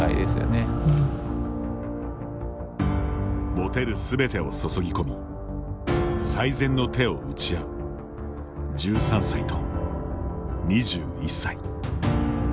持てるすべてを注ぎ込み最善の手を打ち合う１３歳と２１歳。